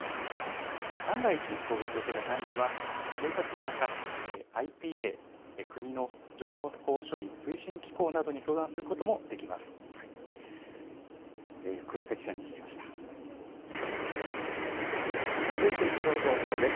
万が一、攻撃を受けた際には、警察のほか、ＩＰＡ・国の情報処理推進機構などに相談することもできます。